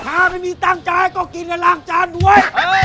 ถ้าไม่มีตั้งใจก็กินกันล้างจานด้วย